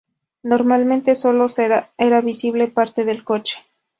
Normalmente solo era visible parte del coche.